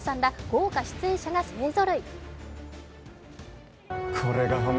豪華出演者が勢ぞろい。